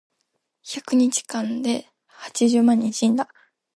百日間で八十万人が死んだ。